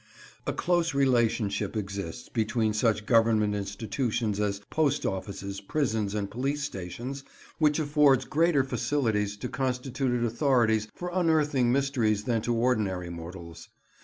A close relationship exists between such Government institutions as post offices, prisons, and police stations, which affords greater facilities to constituted authorities for unearthing mysteries than to ordinary mortals.